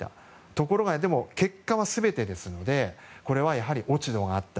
ところが、結果は全てですのでこれは落ち度があった。